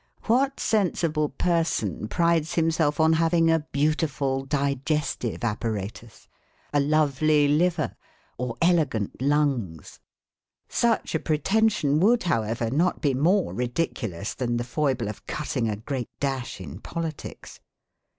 What sensible person prides himself on having a beautiful digestive apparatus, a lovely liver or elegant lungs? Such a pretension would, however, not be more ridiculous than the foible of cutting a great dash in politics.